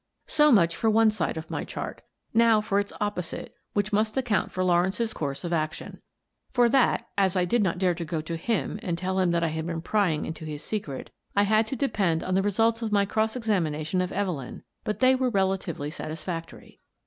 So much for one side of my chart Now for its opposite, which must account for Lawrence's course of action. For that — as I did not dare to go to him and tell him that I had been prying into his secret — I had to depend on the results of my cross exam ination of Evelyn, but they were relatively satisfac tory.